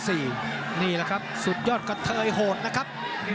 นี่แหละครับสุดยอดกระเทยโหดนะครับ